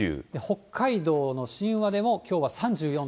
北海道の新和でもきょうは３４．５度。